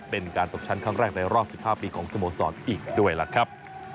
เป็นการตกชั้นครั้งแรกในรอบ๑๕ปีของสโมสรอีกด้วยล่ะครับ